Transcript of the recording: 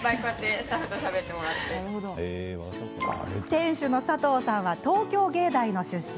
店主の佐藤さんは東京藝大の出身。